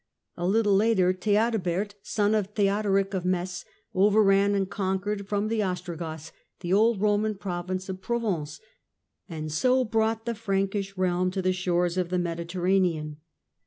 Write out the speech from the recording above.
A little later Theodebert, son of Theodoric of Metz,£ overran and conquered from the Ostrogoths the old Roman province of Provence, and so brought the Frankish realm to the shores of the Mediterranean.